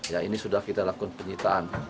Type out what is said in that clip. ya ini sudah kita lakukan penyitaan